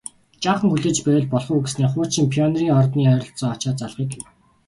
Жаахан хүлээж байвал болох уу гэснээ хуучин Пионерын ордны ойролцоо очоод залгая гэв